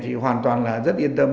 thì hoàn toàn là rất yên tâm